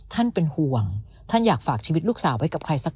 ท่านเป็นห่วงท่านอยากฝากชีวิตลูกสาวไว้กับใครสัก